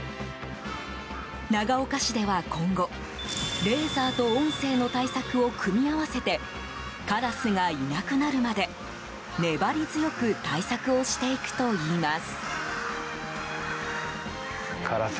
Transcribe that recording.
長岡市では今後、レーザーと音声の対策を組み合わせてカラスがいなくなるまで粘り強く対策をしていくといいます。